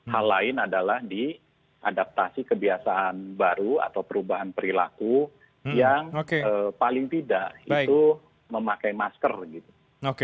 hal lain adalah di adaptasi kebiasaan baru atau perubahan perilaku yang paling tidak itu memakai masker gitu